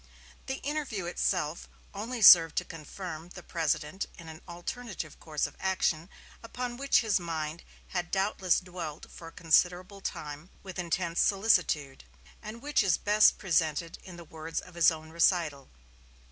The interview itself only served to confirm the President in an alternative course of action upon which his mind had doubtless dwelt for a considerable time with intense solicitude, and which is best presented in the words of his own recital.